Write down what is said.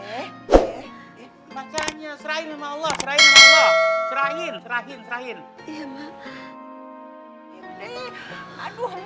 makanya serahin sama allah